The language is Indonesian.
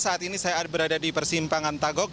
saat ini saya berada di persimpangan tagok